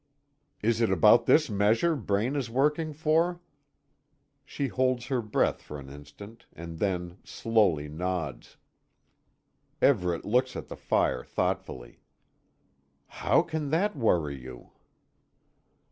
"Is it about this measure Braine is working for?" She holds her breath for an instant, and then slowly nods. Everet looks at the fire thoughtfully: "How can that worry you?"